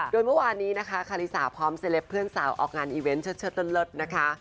โดยเมื่อวานนี้นะคะคาริสาพร้อมเซลปเพื่อนสาวออกงานอีเวนต์เชิดเลิศนะคะ